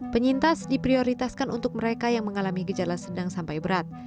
penyintas diprioritaskan untuk mereka yang mengalami gejala sedang sampai berat